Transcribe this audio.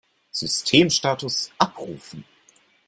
Systemstatus abrufen!